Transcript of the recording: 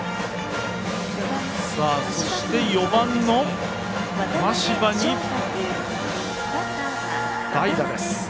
そして４番、真柴に代打です。